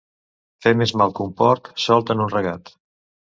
Fer més mal que un porc solt en un regat.